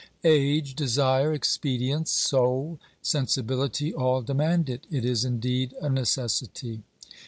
Age, desire, ex pedience, soul, sensibility, all demand it ; it is indeed a necessity.